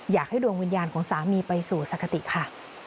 อยากให้ดวงวิญญาณของสามีไปสู่สคติค่ะ